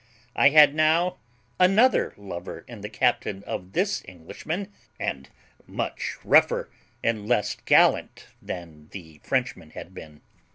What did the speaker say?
I had now another lover in the captain of this Englishman, and much rougher and less gallant than the Frenchman had been.